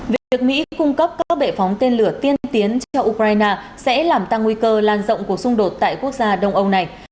về việc mỹ cung cấp các bệ phóng tên lửa tiên tiến cho ukraine sẽ làm tăng nguy cơ lan rộng cuộc xung đột tại quốc gia đông âu này